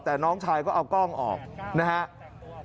แต่น้องชายก็เอากล้องออกนะครับ